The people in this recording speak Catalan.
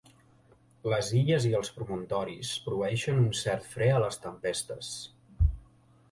Les illes i els promontoris proveeixen un cert fre a les tempestes.